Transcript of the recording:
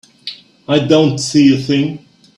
I don't see a thing.